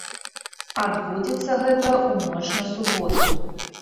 Адбудзецца гэта ў ноч на суботу.